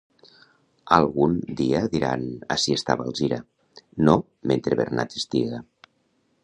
Algun dia diran: —Ací estava Alzira. —No, mentre Bernat estiga.